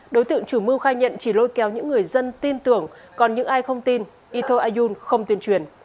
đối tượng chủ mưu khai nhận chỉ lôi kéo những người dân tin tưởng còn những ai không tin etho ayun không tuyên truyền